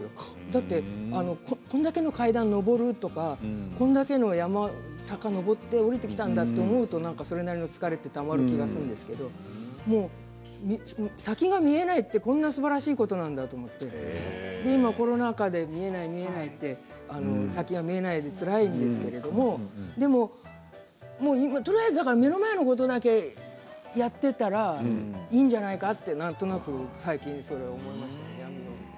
だってこれだけの階段を上るとかこれだけの山坂を登って下りてきたんだと思うとそれだけ疲れがたまる気がするんですけれど先が見えないって、こんなにすばらしいことなんだと思って今コロナ禍で、見えない見えないって先が見えないってつらいんですけれどでも、とりあえず目の前のことだけやっていたらいいんじゃないかってなんとなく最近。